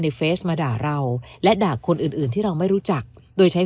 เฟซมาด่าเราและด่าคนอื่นอื่นที่เราไม่รู้จักโดยใช้